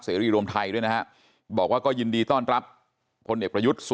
รีรวมไทยด้วยนะฮะบอกว่าก็ยินดีต้อนรับพลเอกประยุทธ์